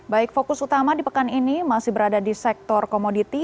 baik fokus utama di pekan ini masih berada di sektor komoditi